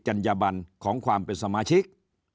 ัญญบันของความเป็นสมาชิก